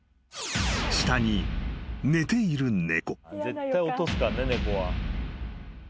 ［下に寝ている猫］